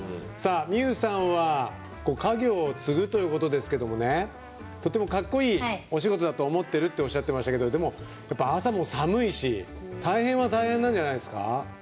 美有さんは、家業を継ぐということですけどもねとってもかっこいいお仕事だと思ってるっておっしゃってましたけどやっぱり朝も寒いし大変は大変なんじゃないですか？